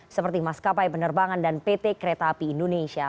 seperti maskapai penerbangan dan pt kereta api indonesia